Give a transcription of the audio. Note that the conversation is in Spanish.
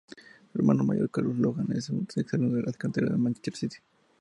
Su hermano mayor, Carlos Logan, es un ex-alumno de las canteras del Manchester City.